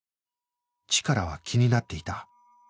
チカラは気になっていた